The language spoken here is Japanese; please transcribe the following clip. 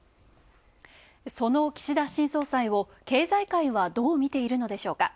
その岸田新総裁を経済界はどう見ているのでしょうか。